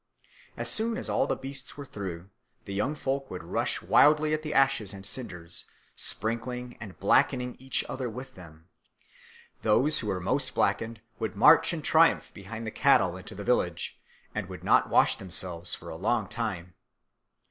As soon as all the beasts were through, the young folk would rush wildly at the ashes and cinders, sprinkling and blackening each other with them; those who were most blackened would march in triumph behind the cattle into the village and would not wash themselves for a long time.